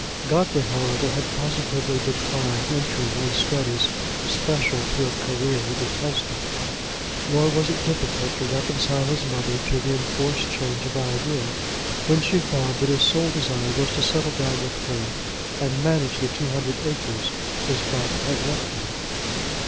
Godfrey, however, had positively declined entering on the studies special to a career he detested; nor was it difficult to reconcile his mother to the enforced change of idea, when she found that his sole desire was to settle down with her, and manage the two hundred acres his father had left him.